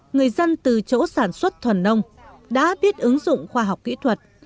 người dân từ chỗ sản xuất thuần nông đã biết ứng dụng khoa học kỹ thuật